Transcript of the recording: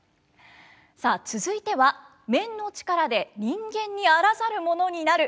さあ続いては面の力で人間にあらざるものになる